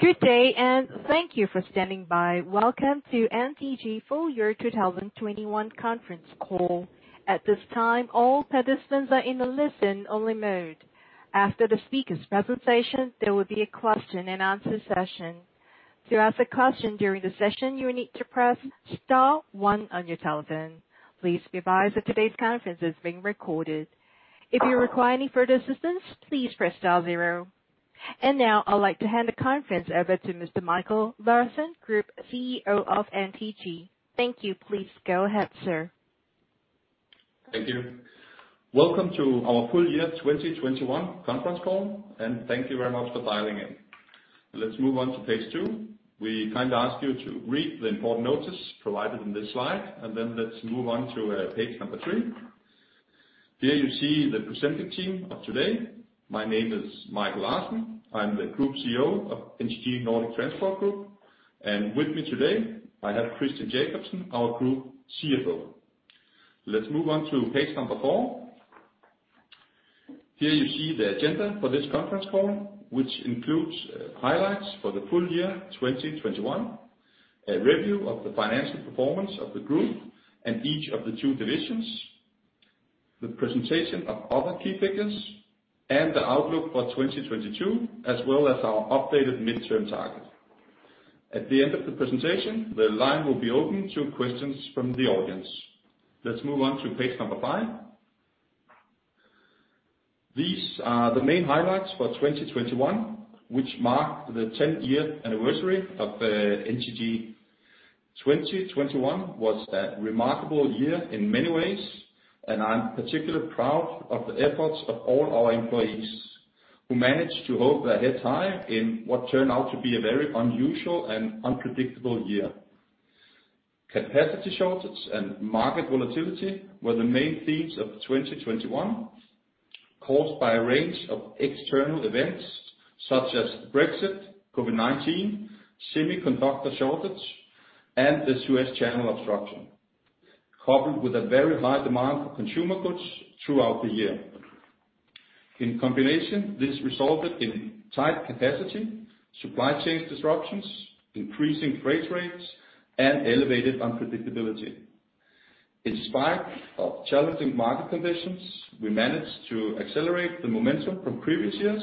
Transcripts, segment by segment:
Good day, and thank you for standing by. Welcome to NTG Full Year 2021 conference call. At this time, all participants are in a listen-only mode. After the speaker's presentation, there will be a question and answer session. To ask a question during the session, you will need to press star one on your telephone. Please be advised that today's conference is being recorded. If you require any further assistance, please press star zero. Now, I'd like to hand the conference over to Mr. Michael Larsen, Group CEO of NTG. Thank you. Please go ahead, sir. Thank you. Welcome to our full year 2021 conference call, and thank you very much for dialing in. Let's move on to page two. We kindly ask you to read the important notice provided in this slide, and then let's move on to page number three. Here you see the presenting team of today. My name is Michael Larsen. I'm the Group CEO of NTG Nordic Transport Group. With me today, I have Christian Jakobsen, our Group CFO. Let's move on to page number four. Here you see the agenda for this conference call, which includes highlights for the full year 2021, a review of the financial performance of the group and each of the two divisions, the presentation of other key figures, and the outlook for 2022, as well as our updated midterm target. At the end of the presentation, the line will be open to questions from the audience. Let's move on to page five. These are the main highlights for 2021, which marked the 10-year anniversary of NTG. 2021 was a remarkable year in many ways, and I'm particularly proud of the efforts of all our employees who managed to hold their head high in what turned out to be a very unusual and unpredictable year. Capacity shortage and market volatility were the main themes of 2021, caused by a range of external events such as Brexit, COVID-19, semiconductor shortage, and the Suez Canal obstruction, coupled with a very high demand for consumer goods throughout the year. In combination, this resulted in tight capacity, supply chain disruptions, increasing freight rates, and elevated unpredictability. In spite of challenging market conditions, we managed to accelerate the momentum from previous years,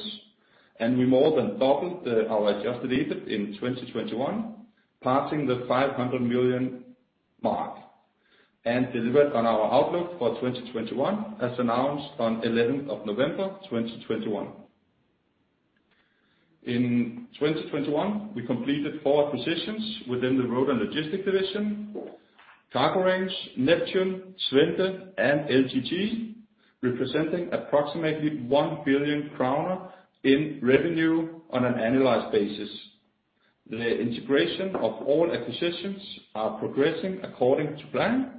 and we more than doubled our Adjusted EBIT in 2021, passing the 500 million mark, and delivered on our outlook for 2021 as announced on 11th of November 2021. In 2021, we completed four acquisitions within the Road & Logistics division: Cargorange, Neptun Transport, Twente Express, and LGT Group, representing approximately 1 billion kroner in revenue on an annualized basis. The integration of all acquisitions are progressing according to plan,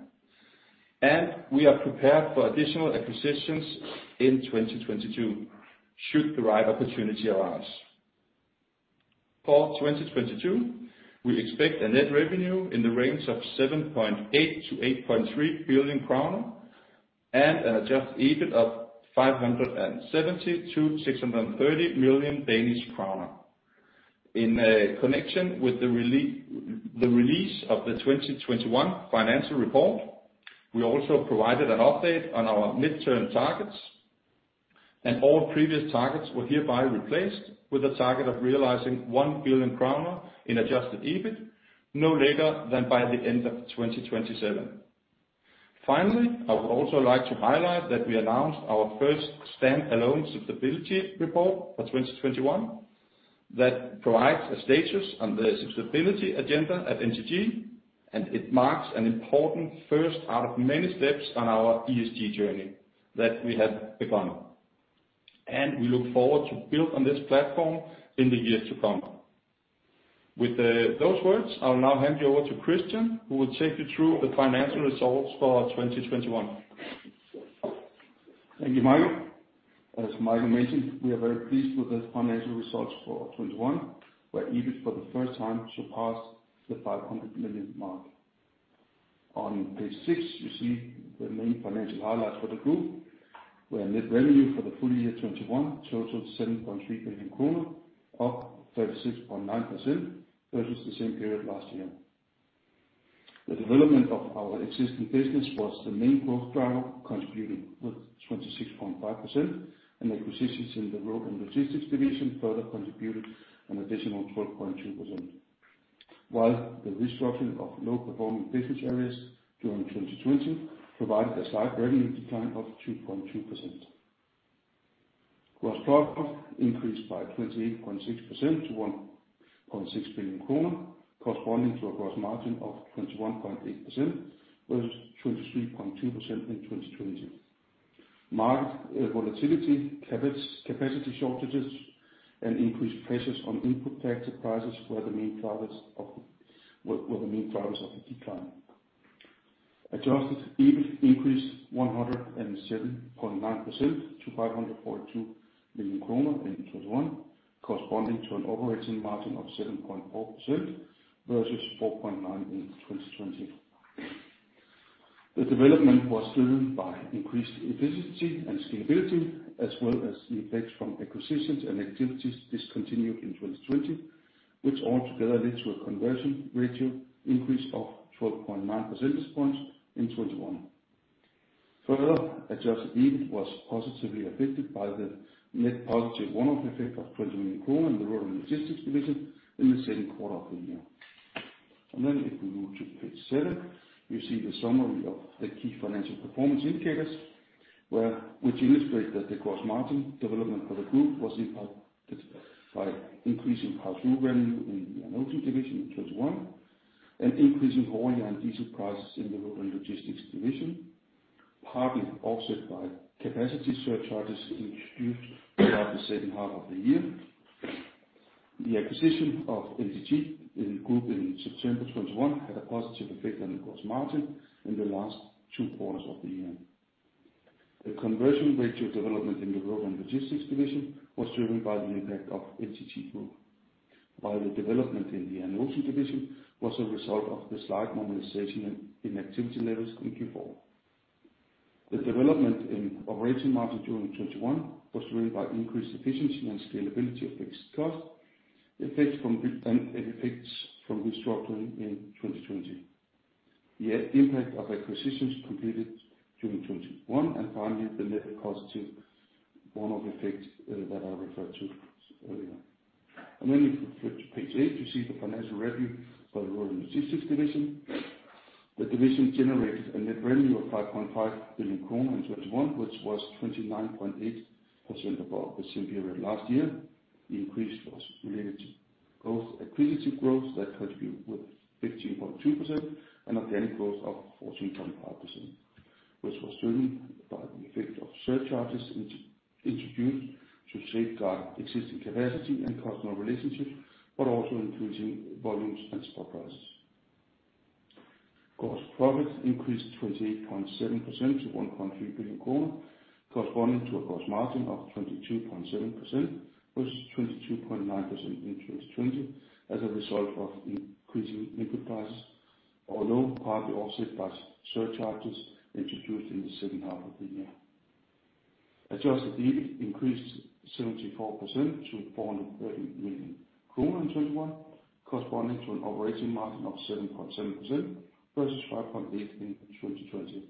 and we are prepared for additional acquisitions in 2022 should the right opportunity arise. For 2022, we expect a net revenue in the range of 7.8 billion-8.3 billion crown and an Adjusted EBIT of 570 million-630 million Danish crown. In connection with the release of the 2021 financial report, we also provided an update on our midterm targets, and all previous targets were hereby replaced with a target of realizing 1 billion kroner in Adjusted EBIT no later than by the end of 2027. Finally, I would also like to highlight that we announced our first stand-alone sustainability report for 2021 that provides a status on the sustainability agenda at NTG, and it marks an important first out of many steps on our ESG journey that we have begun. We look forward to build on this platform in the years to come. With those words, I'll now hand you over to Christian, who will take you through the financial results for 2021. Thank you, Michael. As Michael mentioned, we are very pleased with the financial results for 2021, where EBIT for the first time surpassed the 500 million mark. On page six, you see the main financial highlights for the group, where net revenue for the full year 2021 totaled 7.3 billion kroner, up 36.9% versus the same period last year. The development of our existing business was the main growth driver, contributing with 26.5%, and acquisitions in the Road & Logistics division further contributed an additional 12.2%. While the restructuring of low-performing business areas during 2020 provided a slight revenue decline of 2.2%. Gross profit increased by 28.6% to 1.6 billion kroner, corresponding to a gross margin of 21.8% versus 23.2% in 2020. Market volatility, capacity shortages, and increased pressures on input factor prices were the main drivers of the decline. Adjusted EBIT increased 107.9% to 542 million kroner in 2021, corresponding to an operating margin of 7.4% versus 4.9% in 2020. The development was driven by increased efficiency and scalability, as well as the effects from acquisitions and activities discontinued in 2020, which all together led to a conversion ratio increase of 12.9 percentage points in 2021. Further, Adjusted EBIT was positively affected by the net positive one-off effect of 20 million in the Road & Logistics division in the second quarter of the year. If we move to page seven, you see the summary of the key financial performance indicators, which illustrate that the gross margin development for the group was impacted by increasing pass-through revenue in the Air & Ocean division in 2021 and increasing oil and diesel prices in the Road & Logistics division, partly offset by capacity surcharges introduced throughout the second half of the year. The acquisition of LGT Group in September 2021 had a positive effect on the gross margin in the last two quarters of the year. The conversion ratio development in the Road & Logistics division was driven by the impact of NTG Group, while the development in the Air & Ocean division was a result of the slight normalization in activity levels in Q4. The development in operating margin during 2021 was driven by increased efficiency and scalability of fixed costs, effects from restructuring in 2020, the impact of acquisitions completed during 2021, and finally, the net positive one-off effect that I referred to earlier. If you flip to page eight, you see the financial review for the Road & Logistics division. The division generated a net revenue of 5.5 billion in 2021, which was 29.8% above the same period last year. The increase was related to both acquisition growth that contributed with 15.2% and organic growth of 14.5%, which was driven by the effect of surcharges introduced to safeguard existing capacity and customer relationships, but also increasing volumes and spot prices. Gross profit increased 28.7% to 1.3 billion kroner, corresponding to a gross margin of 22.7% versus 22.9% in 2020 as a result of increasing input prices, although partly offset by surcharges introduced in the second half of the year. Adjusted EBIT increased 74% to 430 million kroner in 2021, corresponding to an operating margin of 7.7% versus 5.8% in 2020,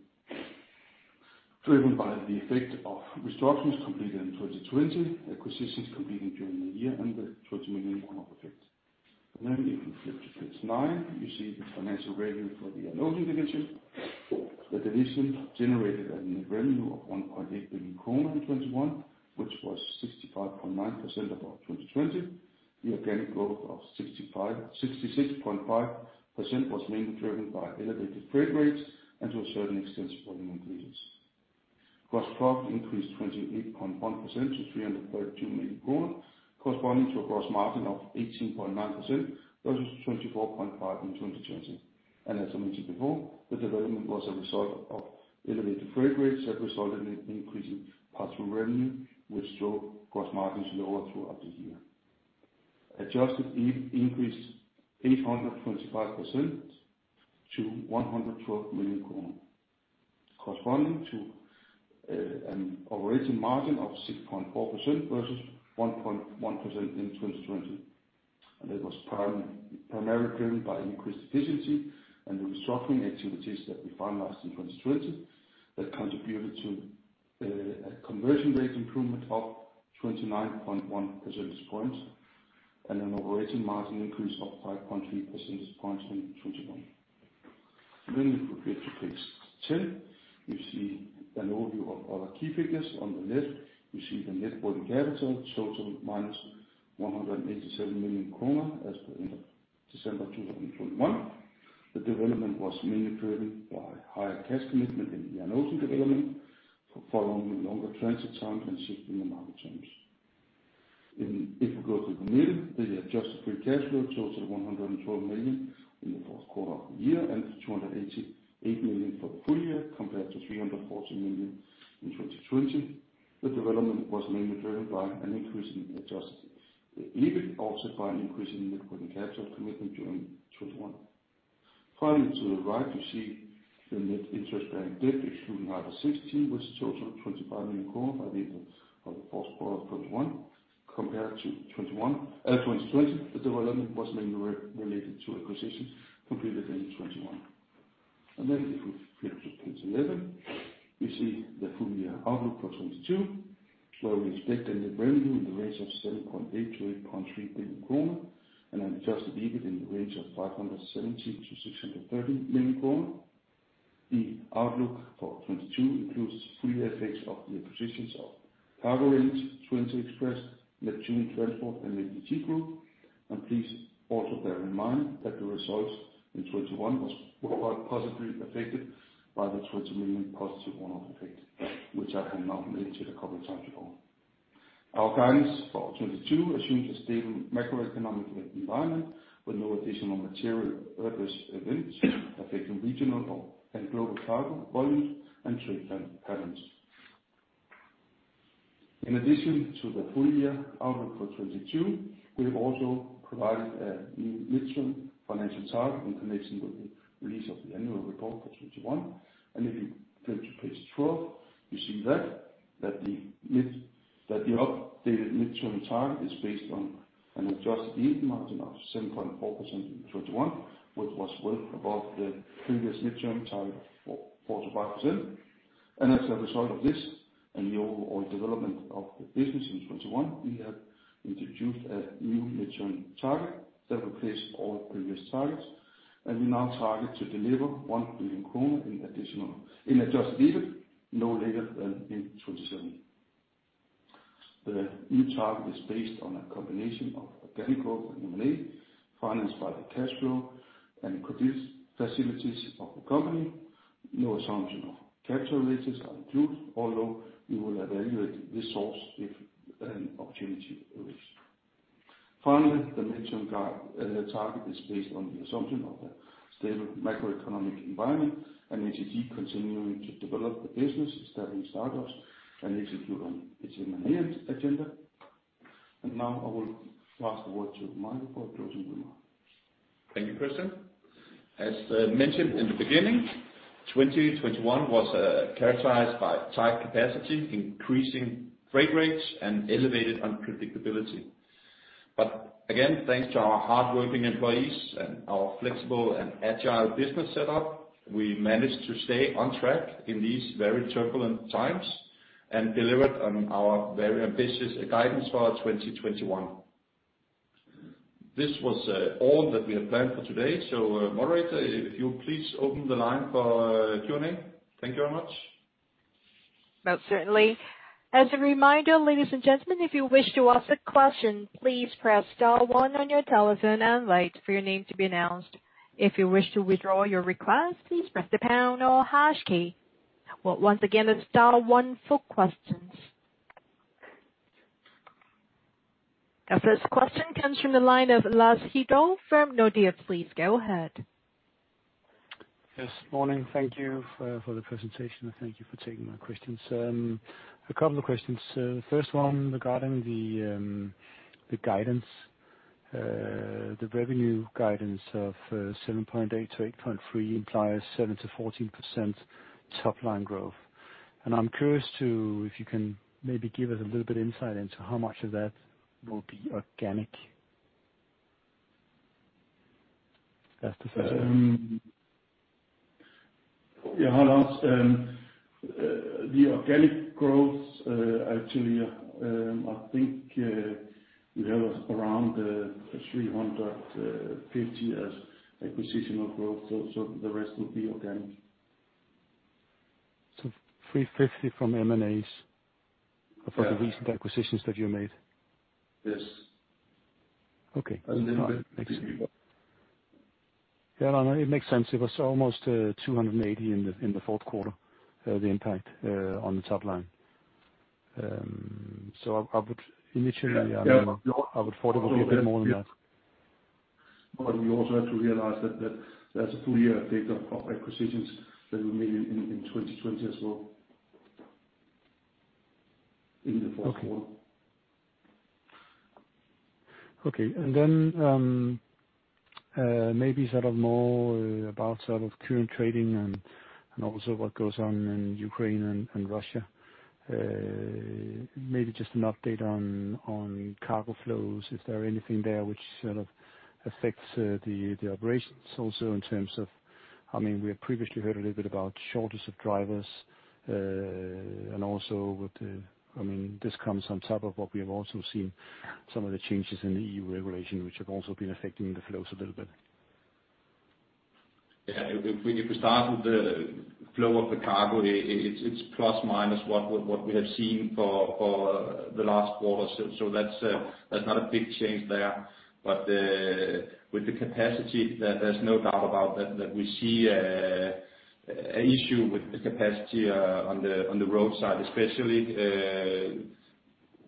driven by the effect of restructurings completed in 2020, acquisitions completed during the year, and the 20 million one-off effect. If you flip to page nine, you see the financial review for the Air & Ocean division. The division generated a net revenue of 1.8 billion kroner in 2021, which was 65.9% above 2020. The organic growth of 66.5% was mainly driven by elevated freight rates and, to a certain extent, volume increases. Gross profit increased 28.1% to 332 million, corresponding to a gross margin of 18.9% versus 24.5% in 2020. As I mentioned before, the development was a result of elevated freight rates that resulted in increased pass-through revenue, which drove gross margins lower throughout the year. Adjusted EBIT increased 825% to DKK 112 million, corresponding to an operating margin of 6.4% versus 1.1% in 2020. That was primarily driven by increased efficiency and the restructuring activities that we finalized in 2020 that contributed to a conversion rate improvement of 29.1 percentage points and an operating margin increase of 5.3 percentage points in 2020. If you flip to page 10, you see an overview of our key figures. On the left, you see the net working capital total -187 million kroner as per end of December 2021. The development was mainly driven by higher cash commitment in the Air & Ocean division following longer transit time and shifting market terms. If we go to the middle, the adjusted free cash flow totals 112 million in the fourth quarter of the year and 288 million for full year compared to 314 million in 2020. The development was mainly driven by an increase in Adjusted EBIT, offset by an increase in net working capital commitment during 2021. Finally, to the right, you see the net interest-bearing debt, excluding IFRS 16, which totals 25 million by the end of the fourth quarter of 2021 compared to 2020. The development was mainly related to acquisitions completed in 2021. If we flip to page 11, we see the full year outlook for 2022, where we expect a net revenue in the range of 7.8 billion-8.3 billion kroner and an Adjusted EBIT in the range of 517 million-630 million kroner. The outlook for 2022 includes full year effects of the acquisitions of Cargorange, Twente Express, Neptun Transport, and LGT Group. Please also bear in mind that the results in 2021 were positively affected by the 20 million positive one-off effect, which I have now mentioned a couple times ago. Our guidance for 2022 assumes a stable macroeconomic environment with no additional material adverse events affecting regional or and global cargo volumes and trade trends. In addition to the full year outlook for 2022, we have also provided a new midterm financial target in connection with the release of the annual report for 2021. If you go to page 12, you see that the updated midterm target is based on an Adjusted EBIT margin of 7.4% in 2021, which was well above the previous midterm target of 4%-5%. As a result of this, and the overall development of the business in 2021, we have introduced a new midterm target that will replace all previous targets. We now target to deliver 1 billion kroner in Adjusted EBIT no later than in 2027. The new target is based on a combination of organic growth and M&A financed by the cash flow and credit facilities of the company. No assumption of capital raises are included, although we will evaluate this source if an opportunity arises. Finally, the midterm guide, target is based on the assumption of a stable macroeconomic environment, and the team continuing to develop the business, establishing startups, and executing its M&A agenda. Now I will pass the word to Michael for closing remarks. Thank you, Christian. As mentioned in the beginning, 2021 was characterized by tight capacity, increasing freight rates, and elevated unpredictability. Again, thanks to our hardworking employees and our flexible and agile business setup, we managed to stay on track in these very turbulent times and delivered on our very ambitious guidance for 2021. This was all that we have planned for today. Moderator, if you'll please open the line for Q&A. Thank you very much. Most certainly. As a reminder, ladies and gentlemen, if you wish to ask a question, please press star one on your telephone and wait for your name to be announced. If you wish to withdraw your request, please press the pound or hash key. Well, once again, it's star one for questions. Our first question comes from the line of Lars Heindorff from Nordea. Please go ahead. Morning. Thank you for the presentation. Thank you for taking my questions. A couple of questions. The first one regarding the guidance. The revenue guidance of 7.8 billion-8.3 billion implies 7%-14% top line growth. I'm curious if you can maybe give us a little bit of insight into how much of that will be organic. That's the first one. Hi, Lars. The organic growth, actually, I think, we have around 350 million is acquisitional growth, so the rest will be organic. 350 million from M&As. Yeah. For the recent acquisitions that you made? Yes. Okay. And then- All right. Makes sense. Yeah, no, it makes sense. It was almost 280 million in the fourth quarter, the impact on the top line. I would initially Yeah, yeah. I would thought it would be a bit more than that. We also have to realize that there's a full year effect of acquisitions that we made in 2020 as well, in the fourth quarter. Maybe sort of more about sort of current trading and also what goes on in Ukraine and Russia. Maybe just an update on cargo flows, if there are anything there which sort of affects the operations also in terms of I mean, we have previously heard a little bit about shortage of drivers and also with the I mean, this comes on top of what we have also seen some of the changes in the EU regulation, which have also been affecting the flows a little bit. If we start with the flow of the cargo, it's plus minus what we have seen for the last quarter. That's not a big change there. But with the capacity, there's no doubt about that we see a issue with the capacity on the road side especially.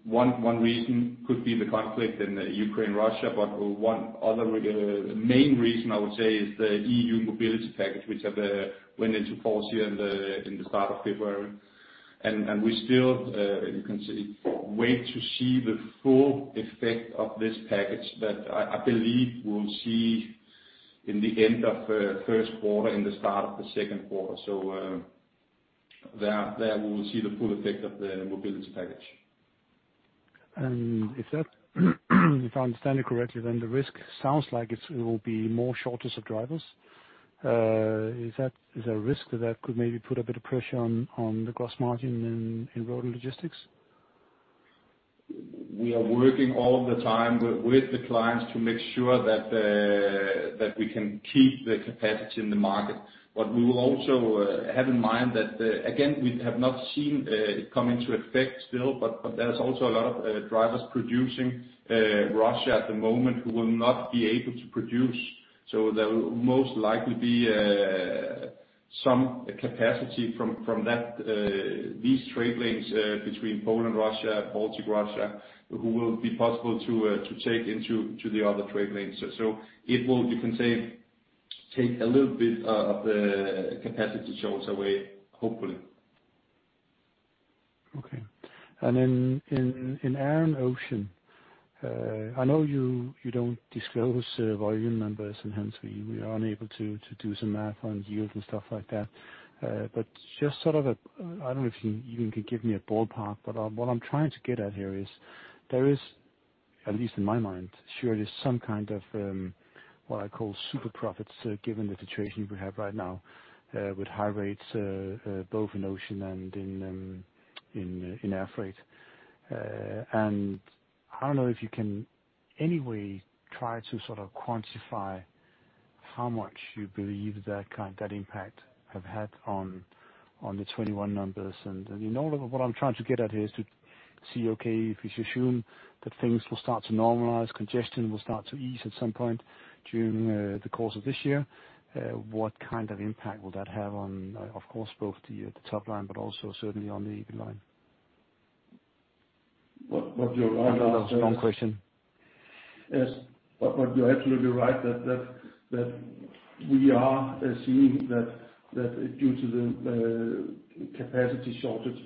One reason could be the conflict in the Ukraine, Russia, but one other main reason I would say is the EU Mobility Package, which have went into force here in the start of February. We still you can say wait to see the full effect of this package, but I believe we'll see in the end of first quarter and the start of the second quarter. There we will see the full effect of the EU Mobility Package. If I understand you correctly, then the risk sounds like it will be more shortage of drivers. Is there a risk that could maybe put a bit of pressure on the gross margin in Road & Logistics? We are working all the time with the clients to make sure that we can keep the capacity in the market. We will also have in mind that, again, we have not seen it come into effect still, but there is also a lot of drivers operating Russia at the moment who will not be able to operate. There will most likely be some capacity from that, these trade lanes between Poland, Russia, Baltic, Russia, who will be possible to take into the other trade lanes. It will, you can say. Take a little bit of the capacity shortage away, hopefully. Okay. Then in air and ocean, I know you don't disclose volume numbers and hence we are unable to do some math on yield and stuff like that. But just sort of I don't know if you even could give me a ballpark, but what I'm trying to get at here is there is, at least in my mind, surely some kind of what I call super profits, given the situation we have right now with high rates both in ocean and in air freight. I don't know if you can any way try to sort of quantify how much you believe that impact have had on the 2021 numbers. In all of What I'm trying to get at here is to see, okay, if you assume that things will start to normalize, congestion will start to ease at some point during the course of this year, what kind of impact will that have on, of course, both the top line but also certainly on the EBIT line? What, what you're right of, uh- I know that's a long question. Yes, you're absolutely right that we are assuming that due to the capacity shortage,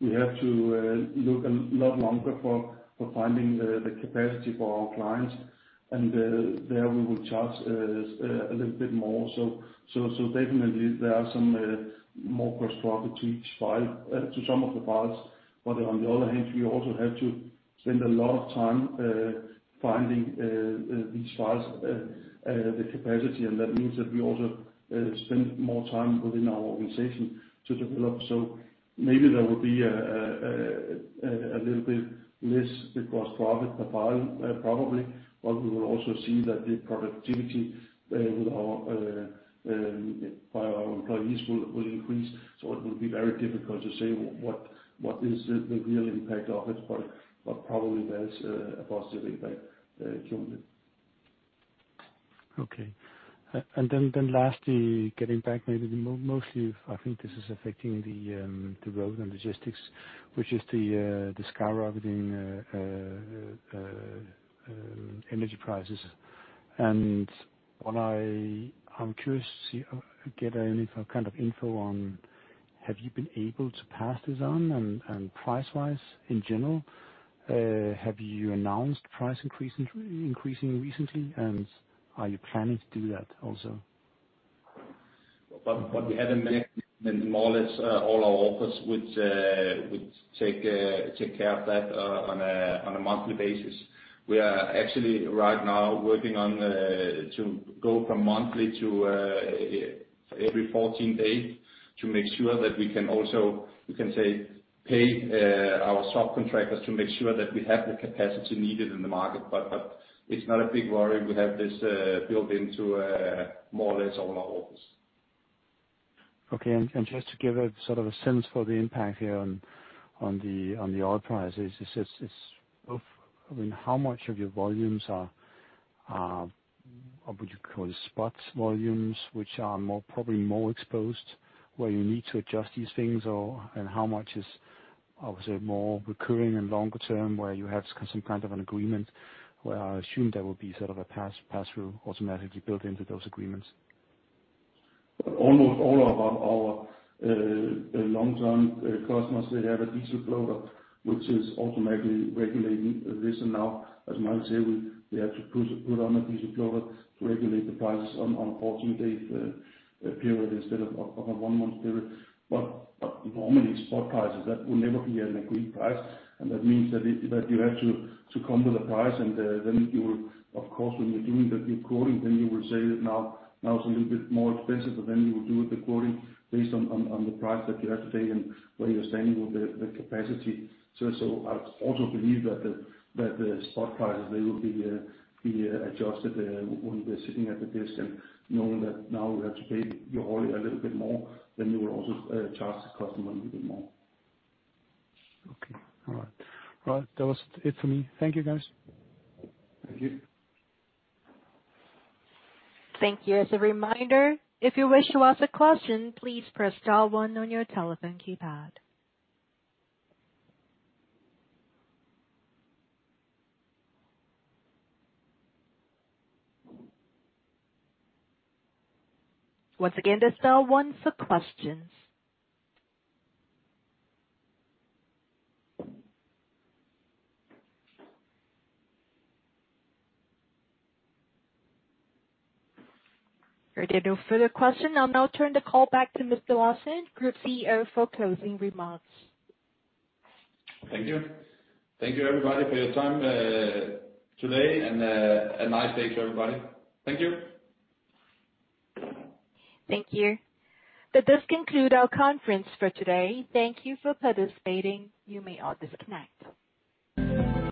we have to look a lot longer for finding the capacity for our clients. There we will charge a little bit more. Definitely there are some more gross profit to each file to some of the files. But on the other hand, we also have to spend a lot of time finding these files, the capacity and that means that we also spend more time within our organization to deliver. Maybe there will be a little bit less gross profit per file, probably, but we will also see that the productivity by our employees will increase. It will be very difficult to say what is the real impact of it, but probably there's a positive impact jointly. Okay. Lastly, getting back maybe mostly, I think this is affecting the Road & Logistics, which is the skyrocketing energy prices. I'm curious to get any kind of info on have you been able to pass this on? Price-wise, in general, have you announced price increasing recently and are you planning to do that also? What we have in many more or less all our offers which take care of that on a monthly basis. We are actually right now working on to go from monthly to every 14 days to make sure that we can also, you can say, pay our subcontractors to make sure that we have the capacity needed in the market. It's not a big worry. We have this built into more or less all our offers. Just to give a sort of a sense for the impact here on the oil prices, I mean, how much of your volumes are what would you call it, spot volumes, which are probably more exposed, where you need to adjust these things or and how much is, I would say, more recurring and longer term, where you have some kind of an agreement where I assume there will be sort of a pass-through automatically built into those agreements? Almost all of our long-term customers, they have a diesel clause which is automatically regulating this. Now, as Mike said, we had to put on a diesel clause to regulate the prices on a 14-day period instead of a one-month period. Normally, spot prices, that will never be an agreed price and that means that you have to come to the price and then you will. Of course, when you're doing the new quoting, then you will say that now it's a little bit more expensive, but then you will do the quoting based on the price that you have today and where you're standing with the capacity. I also believe that the spot prices they will be adjusted when we're sitting at the desk and knowing that now we have to pay your hauler a little bit more, then you will also charge the customer a little bit more. Okay. All right. Well, that was it for me. Thank you, guys. Thank you. Thank you. As a reminder, if you wish to ask a question, please press star one on your telephone keypad. Once again, that's star one for questions. There are no further questions. I'll now turn the call back to Mr. Larsen, Group CEO, for closing remarks. Thank you. Thank you, everybody, for your time today and have a nice day to everybody. Thank you. Thank you. That does conclude our conference for today. Thank you for participating. You may all disconnect.